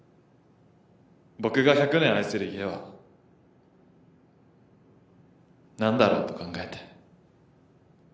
僕が１００年愛せる家は何だろうと考えて。